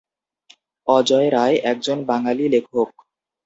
অজয় রায় একজন বাঙালি লেখক।